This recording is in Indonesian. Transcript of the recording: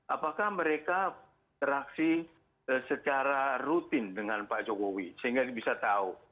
apakah mereka beraksi secara rutin dengan pak jokowi sehingga bisa tahu